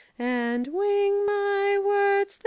Andwingmywords.